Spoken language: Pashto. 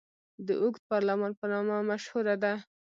د اوږد پارلمان په نامه مشهوره ده.